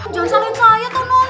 jangan salahin saya toh nom